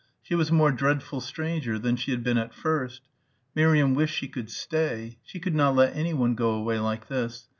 She was a more dreadful stranger than she had been at first ... Miriam wished she could stay. She could not let anyone go away like this.